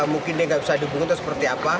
mungkin dia gak bisa dihubungin itu seperti apa